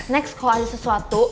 next kalo ada sesuatu